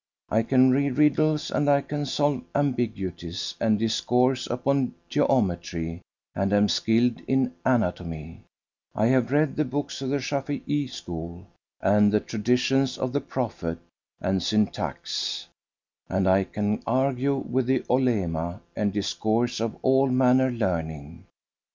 I can ree riddles and can solve ambiguities, and discourse upon geometry and am skilled in anatomy I have read the books of the Sháfi'í[FN#256] school and the Traditions of the Prophet and syntax; and I can argue with the Olema and discourse of all manner learning.